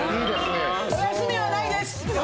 お休みはないです！